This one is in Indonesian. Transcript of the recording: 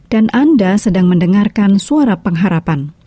dan anda sedang mendengarkan suara pengharapan